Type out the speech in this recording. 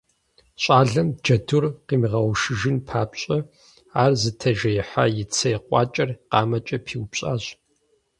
Щӏалэм джэдур къимыгъэушыжын папщӀэ, ар зытежеихьа и цей къуакӀэр къамэкӀэ пиупщӀащ.